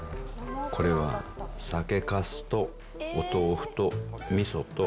これは酒かすとお豆腐とみそと。